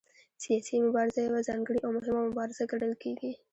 سیاسي مبارزه یوه ځانګړې او مهمه مبارزه ګڼل کېږي